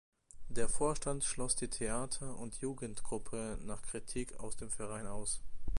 Der Vorstand schloss die Theater- und Jugendgruppe nach Kritik aus dem Verein aus.